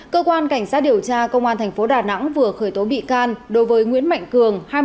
cơ quan cảnh sát điều tra công an tp đà nẵng vừa khởi tố bị can đối với nguyễn mạnh cường